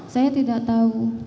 saya tidak tahu